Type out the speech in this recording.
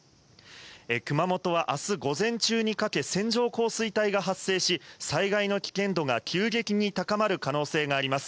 熊本はあす午前中にかけ、線状降水帯が発生し、災害の危険度が急激に高まる可能性があります。